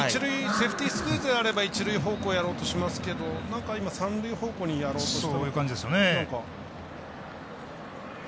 セーフティースクイズであれば一塁方向やろうとしますがなんか今、三塁方向にやろうとしたような。